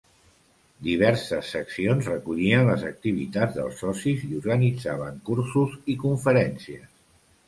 Diverses seccions recollien les activitats dels socis i organitzaven cursos i conferències.